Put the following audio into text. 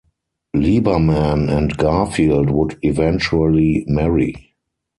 Lieberman and Garfield would eventually marry.